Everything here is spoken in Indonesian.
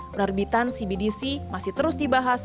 penerbitan cbdc masih terus dibahas